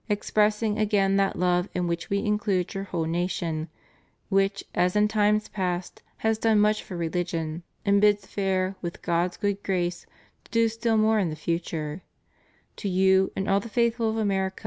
453 expressing again that love in which we include your whole nation, which as in times past has done much for rehgion and bids fair with God's good grace to do still more in the future.